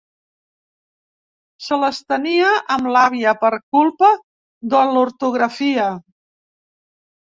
Se les tenia amb l'àvia per culpa de l'ortografia.